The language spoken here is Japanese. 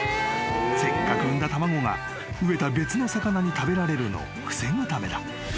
［せっかく産んだ卵が飢えた別の魚に食べられるのを防ぐためだ］